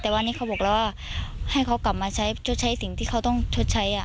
แต่วันนี้เขาบอกแล้วว่าให้เขากลับมาใช้ชดใช้สิ่งที่เขาต้องชดใช้